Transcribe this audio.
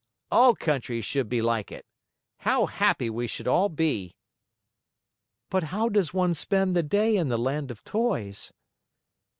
All countries should be like it! How happy we should all be!" "But how does one spend the day in the Land of Toys?"